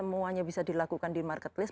semuanya bisa dilakukan di marketplace